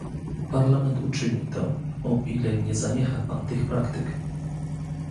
Parlament uczyni to, o ile nie zaniecha Pan tych praktyk